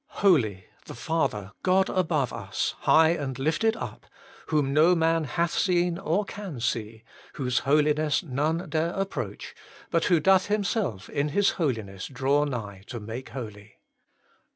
HOLY, the Father, God above us, High and Lifted up, whom no man hath seen or can see, whose Holiness none dare approach, but who doth Himself in His Holiness draw nigh to make holy.